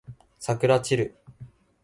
さくらちる